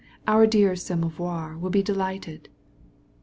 Our dear Samovar will be delighted."